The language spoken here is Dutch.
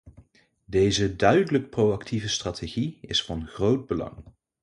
Deze duidelijk proactieve strategie is van groot belang.